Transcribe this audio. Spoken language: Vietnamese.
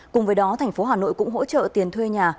cùng với đó thành phố hà nội cũng hỗ trợ tiền thuê nhà